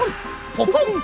「ポポンッ」。